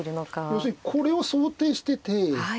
要するにこれを想定してて。